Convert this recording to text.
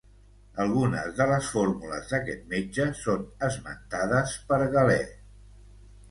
Alguna de les fórmules d'aquest metge són esmentades per Galè.